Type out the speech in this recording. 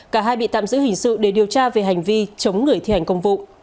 cả hai bị tạm giữ hình sự để điều tra về hành vi chống người thi hành công vụ